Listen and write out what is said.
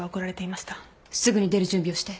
すぐに出る準備をして。